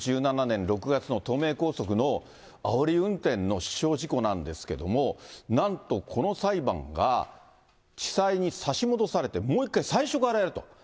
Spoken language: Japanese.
２０１７年６月の東名高速のあおり運転の死傷事故なんですけれども、なんと、この裁判が地裁に差し戻されて、もう一回、最初からやると。